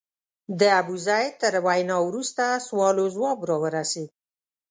د ابوزید تر وینا وروسته سوال او ځواب راورسېد.